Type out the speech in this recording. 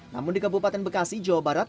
namun di kabupaten bekasi jawa barat